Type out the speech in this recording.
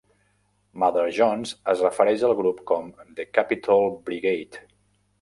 "Mother Jones" es refereix al grup com "The Capitol Brigade".